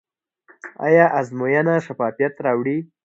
آیا ازموینه شفافیت راوړي؟